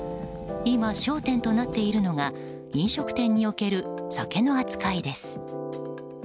今、焦点となっているのが飲食店における酒の扱いです。